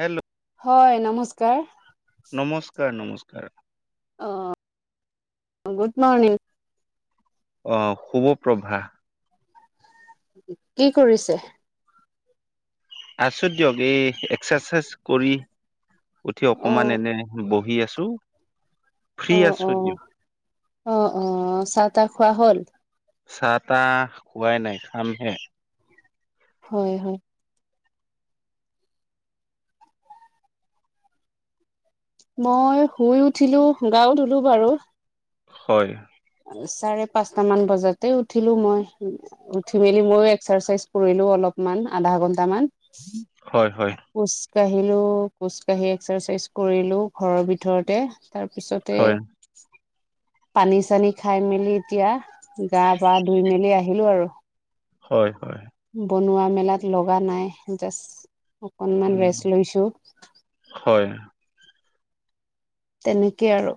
Hello হয় নমস্কাৰ নমস্কাৰ নমস্কাৰ অ গুড মৰ্ণিং অহ শুভ প্ৰভা কি কৰিছে আছো দিয়ক এই এক্সাচাইজ কৰি উঠি অ অকমান এনে বহি আছো ফ্ৰী অ আছো অ দিয়ক অহ অ চাহ তাহ খোৱা হ'ল চাহ তাহ খোৱাই নাই খামহে হয় হয় মই শুই উঠিলো গাও ধোলো বাৰু হয় চাৰে পাঁচটা মান বজাতে উঠিলো মই উঠি মেলি মইও এক্সাৰচাইজ কৰিলো অলপ মান আধা ঘণ্টামান হয় হয় খোজ কাঢ়িলো খোজ কাঢ়ি এক্সাৰচাইজ কৰিলো ঘৰৰ ভিতৰতে তাৰপিছতে হয় পানী চানী খাই মেলি এতিয়া গা পা ধুই মেলি আহিলো আৰু হয় হয় বনোৱা মেলাত লগা নাই জাষ্ট অকণমান উম ৰেষ্ট লৈছোঁ হয় তেনেকে আৰু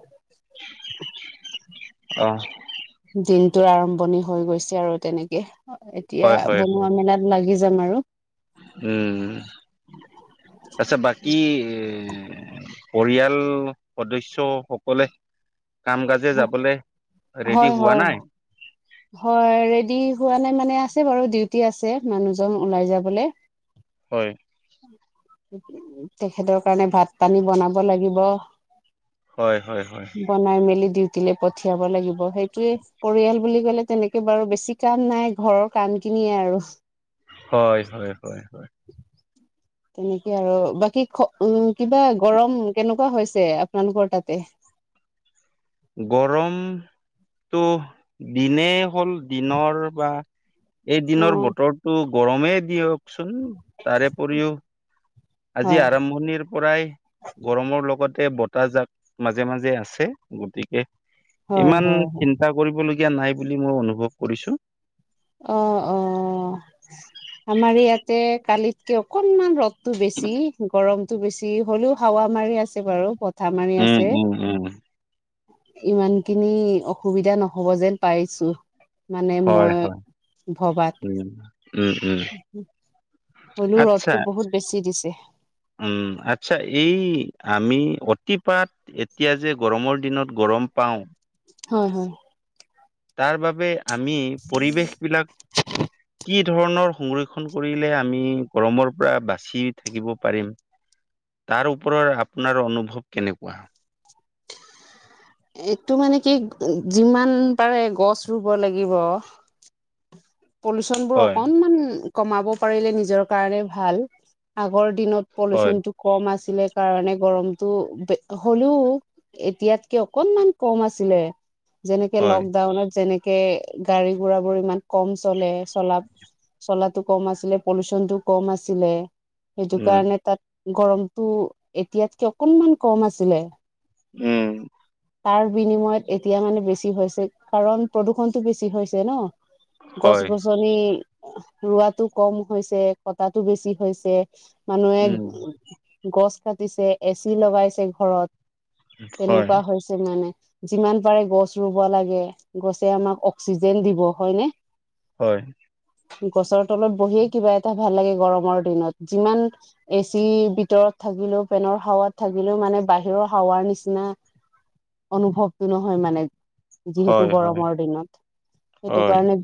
অহ দিনটোৰ আৰম্ভণি হৈ গৈছে আৰু তেনেকে এতিয়া হয় হয় হয় বনোৱা মেলাত লাগি যাম আৰু উম আচ্ছা বাকী পৰিয়াল সদস্য সকলে কাম কাজে যাবলে ৰেডি হয় হোৱা হয় নাই হয় ৰেডি হোৱা নাই মানে আছে বাৰু ডিউটি আছে মানুহজন ওলাই যাবলে হয় তেখেতৰ কাৰণে ভাত পানী বনাব লাগিব হয় হয় হয় বনাই মেলি ডিউটিলে পঠিয়াব লাগিব সেইটোয়ে পৰিয়াল। বুলি ক'লে তেনেকে বাৰু বেছি কাম নাই ঘৰৰ কাম খিনিয়ে আৰু হয় হয় হয় হয়। [unintelligible] তেনেকে আৰু বাকী খ উম কিবা গৰম কেনেকুৱা হৈছে আপোনালোকৰ তাতে। [inaudible] গৰম। ত' দিনে হ'ল দিনৰ বা। অ এইদিনৰ বতৰটো গৰমেই দিয়কচোন তাৰে উপৰিও। আজি হয় আৰম্ভণিৰ পৰাই গৰমৰ লগত। লগতে বতাহজাক মাজে মাজে আছে গতিকে। হয় ইমান হয় চিন্তা কৰিবলগীয়া নাই বুলি মই অনুভৱ কৰিছো। অ অ আমাৰ ইয়াতে কালিতকে অকনমান ৰদ। টো বেছি গৰমটো বেছি হ'লেও হাৱা মাৰি আছে বাৰু। বতাহ উম উম উম। ইমানখিনি অসুবিধা নহব যেন পাইছো মানে হয় মই। হয় ভবাত। উম উম উম হলো ৰ'দটো আচ্ছা বহুত বেছি দিছে। উম আচ্ছা এই আমি অতিপাত এতিয়া যে গৰমৰ দিনত গৰম। ৰম পাওঁ। হয় হয়। তাৰ বাবে আমি পৰিৱেশ বিলাক। কি ধৰণৰ সংৰক্ষণ কৰিলে আমি গৰমৰ পৰা বাচি থাকিব পাৰিম। তাৰ ওপৰত আপোনাৰ অনুভৱ কেনেকুৱা। এইটো মানে কি যিমান পাৰে গছ ৰুব লাগিব। পলুচন বোৰ হয়, অকণমান কমাব পাৰিলে নিজৰ কাৰণে ভাল আগৰ দিনত হয়, পলুচন টো কম আছে। ছিলে কাৰণে গৰমটো হলেও এতিয়াতকে অকনমান কম আছিলে। যেনেকে হয়, লকডাউনত যেনেকে গাড়ী ঘুৰা বোৰ ইমান। কম চলে চলা চলাটো কম আছিলে পলুচনটো কম আছিলে। সেইটো উম, কাৰণে তাত গৰমটো এতিয়াতকে অকনমান কম আছিলে। উম, তাৰ বিনিময়ত এতিয়া মানে বেছি হৈছে কাৰণ প্ৰদূ্ষণটো বেছি হৈছে ন। গছ হয়। গছনি ৰোৱাটো কম হৈছে কটা টো বেছি হৈছে। মানুহে উম, গছ কাটিছে এচি লগাইছে ঘৰত। হয়, তেনেকুৱা হৈছে মানে। যিমান পাৰে গছ ৰুব লাগে গছে আমাক অক্সিজেন দিব হয় নে হয়। গছৰ তলত বহিয়ে কিবা এটা ভাল লাগে গৰমৰ দিনত যিমান এচি ভিতৰত। থাকিলেও ফেনৰ হাৱাত থাকিলেও মানে বাহিৰৰ হাৱাৰ নিচিনা। অনুভৱটো নহয় মানে যিহেতু হয়, হয়, গৰমৰ দিনত সেইটো হয়, কাৰণে।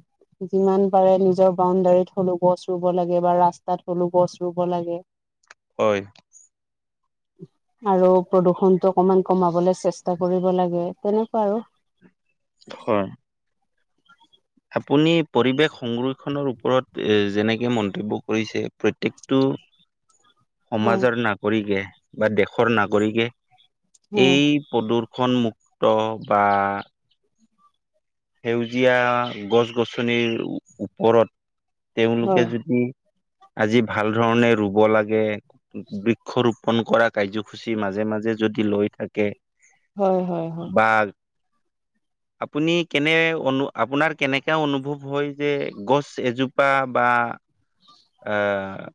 যিমান পাৰে নিজৰ বাউণ্ডাৰীত হলো গছ ৰুব লাগে বা ৰাস্তাত হলো গছ ৰুব লাগে। হয়। [unintelligible] আৰু প্ৰদূষণটো অকমান কমাবলে চেষ্টা কৰিব লাগে তেনেকুৱা আৰু। হয়। আপুনি পৰিৱেশ সংৰক্ষণৰ ওপৰত এ যেনেকে মন্তব্য কৰিছে প্ৰত্যেকটো। [unintelligible] হয় সমাজৰ নাগৰিকে বা দেশৰ নাগৰিকে। হয় এই প্ৰদূ্ৰষন মুুক্ত বা। সেউজীয়া গছ গছনিৰ ওপৰত তেওঁলোকে যদি। আজি ভাল ধৰণে ৰুব লাগে বৃক্ষৰূপ পন কৰা কাৰ্যসূচী মাজে মাজে যদি লৈ থাকে। হয় হয় হয়। বা আপুনি কেনে অনু আপোনাৰ কেনেকা অনুভৱ হয় যে গছ এজোপা বা আহ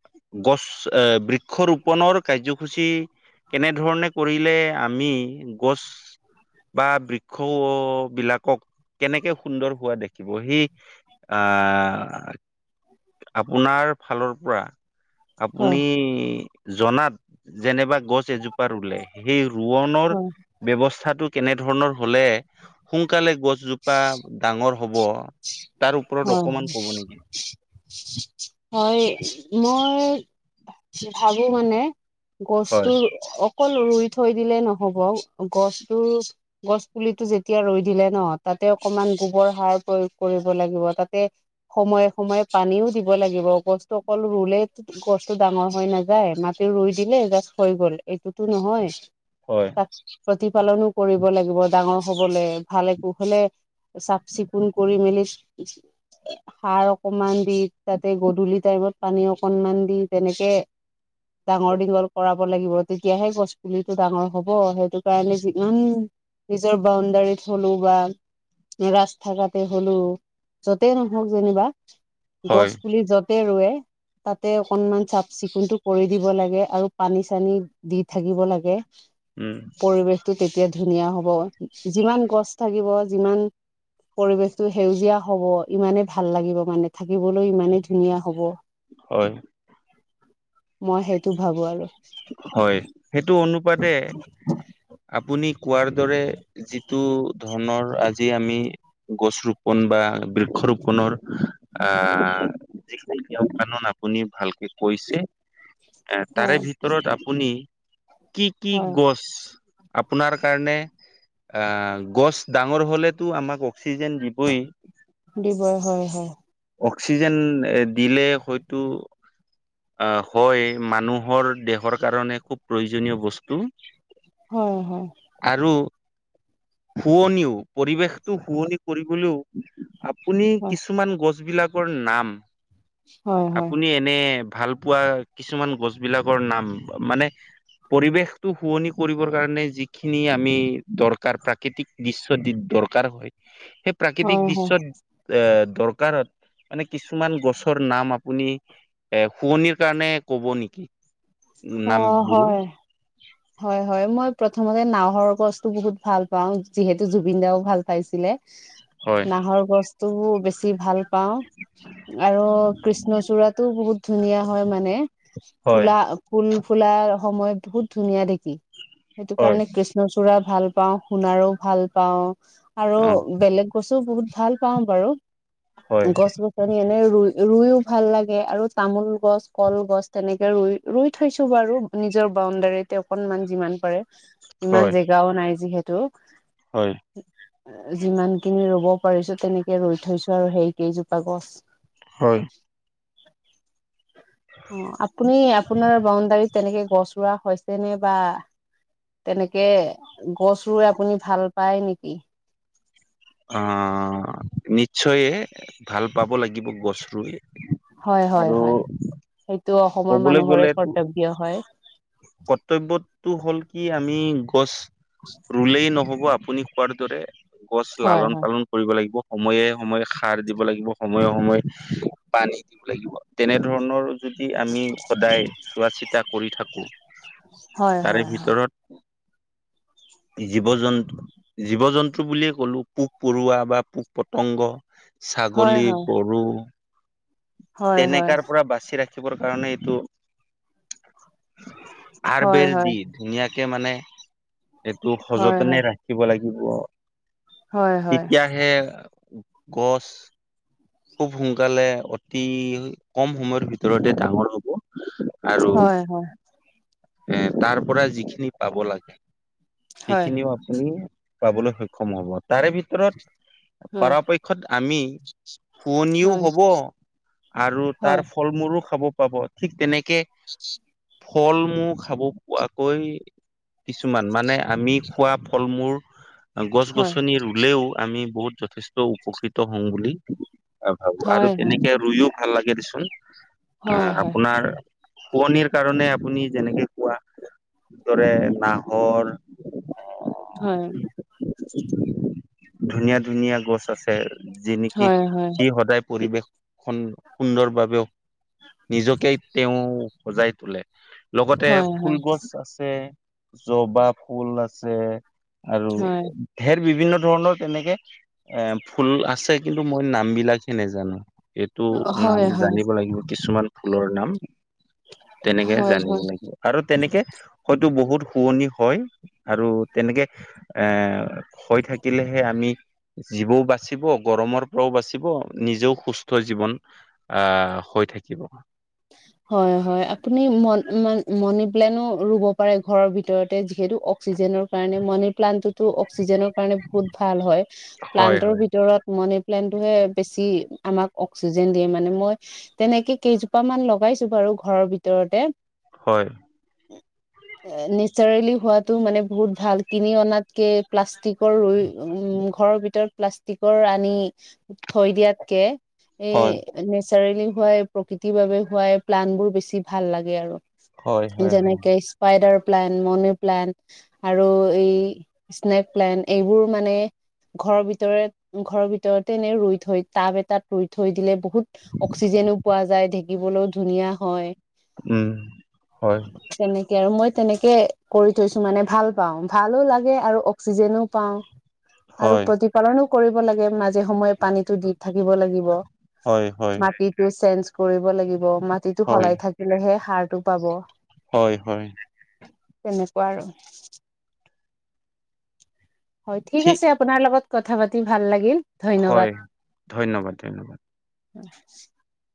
গছ এ বৃক্ষ ৰোপনৰৰ কাৰ্যসূচী। কেনেধৰণে কৰিলে আমি গছ বা বৃক্ষ বিলাকক কেনেকে সুন্দৰ হোৱা দেখিব সি আহ আপোনাৰ ফালৰ পৰা হয় আপুনি জনাত যেনেবা গছ এজোপা ৰুলে সেই ৰোৱনৰ হয় ব্যৱস্থাটো। কেনেধৰণৰ হলে সোনকালে গছজোপা ডাঙৰ হব। তাৰ ওপৰত হয় অকমান ক'ব নেকি? হয় মই ভাবো মানে হয় গছটোৰ অক অকল ৰুই থৈ দিলে নহ'ব, গছতো গছ পুলিটো যেতিয়া ৰুই দিলে ন, তাত তে অকমান গোবৰ সাৰ প্ৰয়োগ কৰিব লাগিব তাতে সময়ে সময়ে পানীও দিব ৰুব লাগিব গছতটো অকল ৰুলে গছতটো ডাঙৰ হৈ নাযায় মাটি ৰুই দিলে জাষ্ট হৈ গ'ল। এইটোতো নহয় হয় তাক প্ৰতিপালনো কৰিব লাগিব ডাঙৰ হবলে ভালে কুশলে চাফ চিকুণ কৰি মেলি, সাৰ অকমান দি তাতে গধূলি টাইমত পানী অকনমান দি তেনেকে ডাঙৰ দীঘল কৰাব লাগিব তেতিয়াহে গছ পুলিটো ডাঙৰ হব সেইটো কাৰণে যি ওম নিজৰ বাউণ্ডাৰীত থলো বা ৰাস্তা কাটে হলেও যতেই নহওক যেনিবা গছ হয় পুলি য'ত তে ৰুৱে তাতে অকনমান চাফ চিকুণতটো কৰি দিব লাগে আৰু পানী চানী দি থাকিব লাগে। উম। টো তেতিয়া ধুনীয়া হ'ব যিমান গছ থাকিব যিমান পৰিৱেশটো সেউজীয়া হব ইমানেই ভাল লাগিব মানে থাকিবলৈ ইমানেই ধুনীয়া হব। হয়। মই সেইটো ভাবো আৰু। হয় সেইটো অনুপাতে আপুনি কোৱাৰ দৰে যিট টো ধৰণৰ আজি আমি গছ ৰোপন বা বৃক্ষ ৰোপনৰ আহ যিখিনি নিয়ম কানুন আপ- আপুনি ভালকে কৈছে। উ [unintelligible] এ তাৰে ভিতৰত আপুনি কি কি হয় গছ আপোনাৰ কাৰণে আহ গছ ডাঙৰ হলেতো আমাক অক্সিজেন দিবই। দিব হয় হয়। অক্সিজেন দিলে হয়তো। আহ হয় মানুহৰ দেহৰ কাৰণে খুব প্ৰয়োজনীয় বস্তু। হয় হয়। আৰু শুৱনিও পৰিৱেশটো শুৱনি কৰিবলেও। আপুনি হয় কিছুমান গছ বিলাকৰ নাম, হয় হয় আপুনি এনে ভাল পোৱা কিছুমান গছ বিলাকৰ নাম মানে পৰিৱেশটো শুৱনি কৰিবৰ কাৰণে যিখিনি আমি দৰকাৰ প্ৰাকৃতিক দৃশ্য দি দৰকাৰ হয় সেই হয় প্ৰাকৃতিক হয় দৃশ্যত এ দৰকাৰত মানে কিছুমান গছৰ নাম আপুনি এ শুৱনিৰ কাৰণে কব নেকি অ নাম বোহো। হয় হয় হয় মই প্ৰথমতে নাহৰ গছতটো বহুত ভাল পাও যিহেতু জুবিন দাও ভাল পাইছিলে। হয়। নাহৰ বস্তুও বেছি ভাল। পাওঁ আৰু কৃষ্ণচূড়াতটো বহুত ধুনীয়া হয় মানে। হয়, ফুলা ফুল। ফুলা সময়ত বহুত ধুনীয়া দেখি সেইটো হয়, কাৰণে কৃষ্ণচূড়া। ভাল পাওঁ শুনাৰো ভাল পাওঁ আৰু বেলেগ বস্ত- টো বহুত ভাল পাও বাৰু হয়, গছ গছনি এনে ৰুই। ৰুইও ভাল লাগে আৰু তামোল, গছ কলগছ তেনেকে ৰুই ৰুই থৈছো বাৰু নিজৰ বাউণ্ডাৰীতে অকনমান যিমান পাৰে ইমান হয়, জেগাও নাই যিহেতু। হয়, যিমানখিনি ৰব। পাৰিছো তেনেকে ৰুই থৈছো আৰু সেই কেইজোপা গছ। হয়। অ আপুনি আপোনাৰ বাউণ্ডাৰীত তেনেকে গছ ৰোৱা হৈছে যেনিবা তেনেকে গছ ৰুই আপুনি ভাল পায় নিকি? অ নিশ্চয়ে ভাল পাব লাগিব গছ ৰুই। হয় হয় আৰু হয় সেই। কবলৈ গলেটো কৰ্তব্যটো হ'ল কি আমি। গছ ৰুলেই নহ'ব আপুনি কোৱাৰ দৰে গছ হয় লালন হয় পালন কৰিব লাগিব। সময়ে সময়ে সাৰ দিব লাগিব সময়ে সময়ে পানী দিব লাগিব তেনেধৰণৰ। কি আমি সদায় চোৱা চিতা কৰি থাকো হয় তাৰে হয় হয়। ভিতৰত। জীৱ জন্তু জীৱ জন্তু বুলিয়ে ক'লো পোক পৰুৱা বা পোক পতংগ। হয় ছাগলী গৰু। হয় হয় হয় তেনেকাৰ পৰা বাচি ৰাখিবৰ কাৰণে এইটো। আৰ হয় বেৰ হয় দি ধুনীয়াকে মানে। এইটো হয় সযতনে ৰাখিব লাগিব হয় তেতিয়াহে। গছ, খুব সোনকালে অতি কম সময়ৰ ভিতৰতে ডাঙৰ হ'ব। হয় হয়। উম তাৰ পৰা যিখিনি পাব লাগে সেইখিনিও আপুনি। পাবলৈ সক্ষম হব তাৰে ভিতৰত হয় হয় পাৰাপক্ষত আমি। শুৱনিও হব আৰু হয় হয় তাৰ ফল মূলো খাব পাব ঠিক তেনেক [unintelligible] ফলমু খাব পোৱাকৈ কিছুমান মানে আমি খোৱা ফল মূৰ গছ-গছনি ৰুলেও আমি বহুত যথেষ্ট উপকৃত হওঁ বুলি অ ভাল আৰু হয় হয় হয় তেনেকে ৰুইও ভাল লাগে দেচোন। হয় আহ হয় আপোনাৰ শুৱনিৰ কাৰণে আপুনি যেনেকে। কোৱা যিদৰে নাহৰ উম হয়। ধুনীয়া ধুনীয়া গছ আছে। যি নিকি হয় হয় হয় হয় সি সদায় পৰিৱেশখন। সুন্দৰভাৱেও নিজকে তেওঁ সজাই তোলে লগতে। ফুল গছ আছে জবা ফুল আছে। আৰু ধেৰ বিভিন্ন। ধৰণৰ তেনেকে এ ফুল আছে কিন্তু মই নাম বিলাকহে নেজানো। এইটো নাম হয় জানিব লাগিব কিছুমান ফুলৰ নাম। তেনেকে হয় হয় জানিব লাগিব। আৰু তেনেকে হয়তো বহুত শুৱনি হয় আৰু তেনেকে এ। হৈ থাকিলেহে আমি। জীৱও বাচিব গৰমৰ পৰাও বাচিব নিজেও সুস্থ জীৱন আ হয় থাকিব হয় হয় আপুনি মন মন মনিপ্লেনো ৰুব পাৰে ঘৰৰ ভিতৰতে যিহেতু অক্সিজেনৰ কাৰণেও মানি প্লানটোত টো অক্সিজেনৰ কাৰণে বহুত ভাল হয় হয় প্লান্তৰ হয় ভিতৰত মানে প্লেনটো হয় বেছি আমাক অক্সিজেন দিয়ে মানে মই তেনেকে কেইজোপা মান লগাইছ টো বাৰু ঘৰৰ ভিতৰতে হয় হম এ নেচাৰেলি হোৱাতো মানে বহুত ভাল। কিনি অনাতকে প্লাষ্টিকৰ উ ঘৰৰ ভিতৰত প্লাষ্টিকৰ আনি থৈ দিয়াতকে। এ হয় নেচাৰেলি হোৱাই প্ৰকৃতিৰ বাবে হোৱাই প্লান বোৰ বেছি ভাল লাগে আৰু। হয় হয় হয় যেনেকে স্পাইডাৰ প্লেন মনিপ্লেন আৰু এই স্নেক প্লেন এইবোৰ মানে ঘৰৰ ভিতৰেত ঘৰৰ ভিতৰতে এনে ৰুই থৈ টাব এটাত ৰুই থৈ দিলে বহুত অক্সিজেন [unintelligible] পোৱা যায়। দেখিবলৈও ধুনীয়া হয়। উম হয় তেনেকে আৰু মই তেনেকে কৰি থৈছো মানে ভাল পাওঁ। ভালো লাগে আৰু অক্সিজেনো পাওঁ। আৰু হয় প্ৰতিপালনো কৰিব লাগে। মাজে সময়ে পানীটো দি থাকিব লাগিব। হয় হয় মাটিটো চেঞ্জ কৰিব লাগিব। মাটিটো হয় সলাই থাকিলেহে সাৰটো পাব। হয়, হয়। তেনেকুৱা আৰু। হয়, ঠিক আছে। আপোনাৰ লগত কথা পাতি ভাল লাগিল। ধন্যবাদ। হয়, ধন্যবাদ ধন্যবাদ। [unintelligible]